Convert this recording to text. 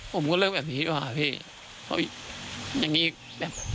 พ่อมงอกเริ่มแบบนี้ดีกว่า